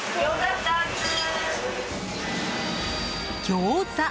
ギョーザ。